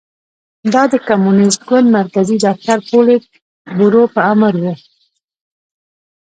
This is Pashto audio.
دا د کمونېست ګوند مرکزي دفتر پولیټ بورو په امر و